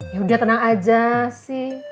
ya udah tenang aja sih